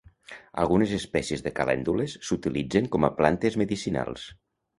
Algunes espècies de calèndules s'utilitzen com a plantes medicinals.